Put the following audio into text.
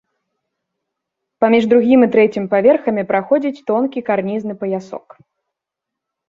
Паміж другім і трэцім паверхамі праходзіць тонкі карнізны паясок.